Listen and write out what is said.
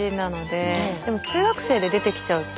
でも中学生で出てきちゃうと。